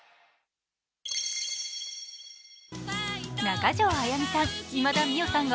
中条あやみさん